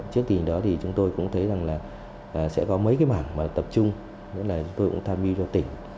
trước tình đó thì chúng tôi cũng thấy rằng là sẽ có mấy cái mảng mà tập trung chúng tôi cũng tham dự cho tỉnh